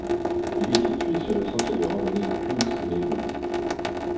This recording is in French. Il est situé sur le sentier de randonnée Kungsleden.